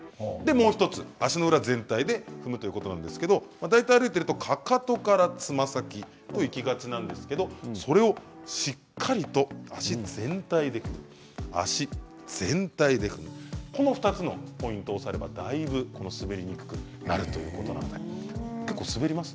もう１つ、足の裏全体で踏むということなんですけれども大体歩いていると、かかとからつま先といきがちなんですがそれをしっかりと足全体で踏むこの２つのポイントを押さえればだいぶ滑りにくくなるということです。